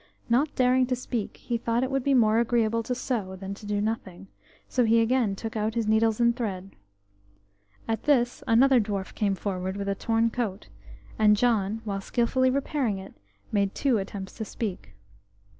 Not daring to speak, he thought it would be more agreeable to sew than to do nothing, so he again took out his needles and thread. At this another dwarf came forward with a torn coat, and John, while skilfully repairing it, made two attempts to speak.